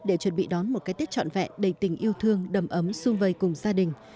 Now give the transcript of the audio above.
để chuẩn bị đón một cái tết trọn vẹn đầy tình yêu thương đầm ấm sung vây cùng gia đình